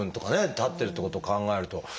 たってるってことを考えると。